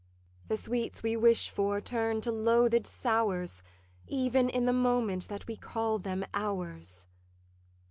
The sweets we wish for turn to loathed sours Even in the moment that we call them ours.